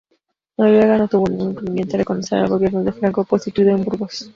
Noruega no tuvo ningún inconveniente en reconocer al gobierno de Franco constituido en Burgos.